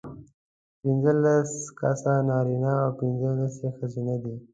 پینځلس کسه نارینه او پینځلس یې ښځینه دي.